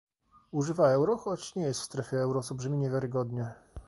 używa euro, choć nie jest w strefie euro, co brzmi niewiarygodnie